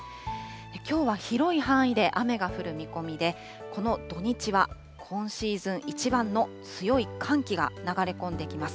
きょうは広い範囲で雨が降る見込みで、この土日は今シーズンいちばんの強い寒気が流れ込んできます。